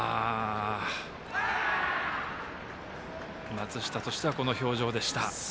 松下としてはこの表情でした。